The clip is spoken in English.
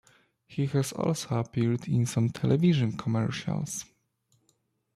He has also appeared in some television commercials.